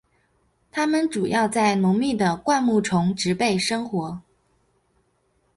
它们主要在浓密的灌木丛植被生活。